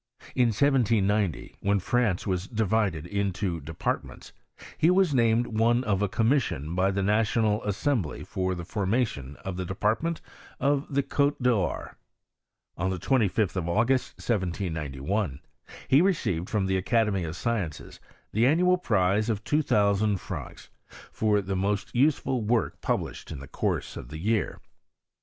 In 1790, when France was divided into departments, he was named one of a commission by the National Assembly for the formation of the de partment of the C6te d'Or. On the 25th of August, 1791, he received from the Academy of Sciences tiie annual prize of 2000 francs, for the most useful ■ work published in the course of the year.